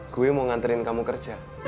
gue mau nganterin kamu kerja